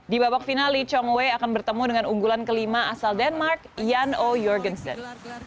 di babak final lee chong wei akan bertemu dengan unggulan kelima asal denmark yan o jorgensen